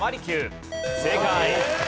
正解。